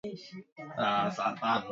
Matumizi ya binadam Viazi lishe